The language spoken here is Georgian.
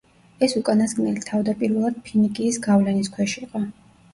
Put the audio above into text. ეს უკანასკნელი თავდაპირველად ფინიკიის გავლენის ქვეშ იყო.